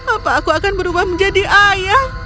apa aku akan berubah menjadi ayah